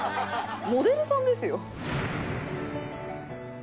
「モデルさんですよ」